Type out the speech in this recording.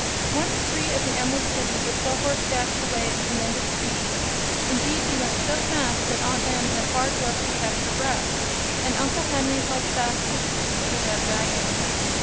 Once free of the Emerald City the Sawhorse dashed away at tremendous speed. Indeed, he went so fast that Aunt Em had hard work to catch her breath, and Uncle Henry held fast to the seat of the red wagon.